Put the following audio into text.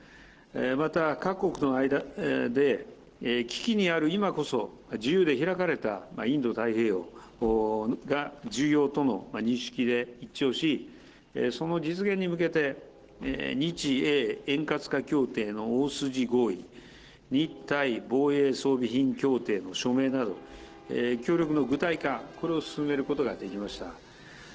また、各国との間で、危機にある今こそ、自由で開かれたインド太平洋が重要との認識で一致をし、その実現に向けて、日英円滑化協定の大筋合意、日台防衛装備品協定の署名など、協力の具体化、これを進めることができました。